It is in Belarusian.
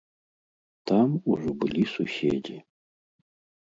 Там ужо былі суседзі.